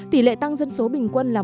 tỷ lệ tăng dân số bình quân là một